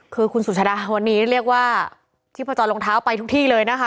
คือคุณสุชาดาวันนี้เรียกว่าชีพจรรองเท้าไปทุกที่เลยนะคะ